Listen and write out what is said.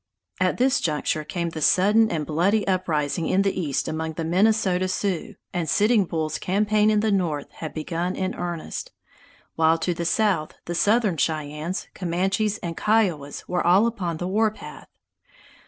At this juncture came the sudden and bloody uprising in the east among the Minnesota Sioux, and Sitting Bull's campaign in the north had begun in earnest; while to the south the Southern Cheyennes, Comanches, and Kiowas were all upon the warpath.